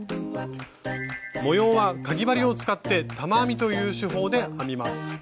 模様はかぎ針を使って玉編みという手法で編みます。